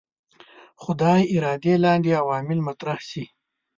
خدای ارادې لاندې عوامل مطرح شي.